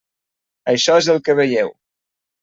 Això és el que veieu.